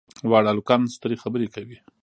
واړه هلکان سترې خبرې کوي.